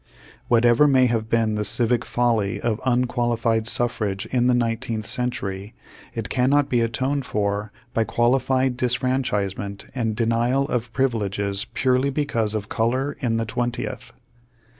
V/hat ever may have been the civic folly of unqualified suffrage in the nineteenth century, it cannot be atoned for by qualified disfranchisement and de nial of privileges purely because of color in the twentieth.